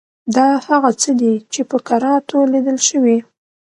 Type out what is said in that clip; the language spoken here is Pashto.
دا هغه څه دي چې په کراتو لیدل شوي.